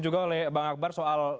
juga oleh bang akbar soal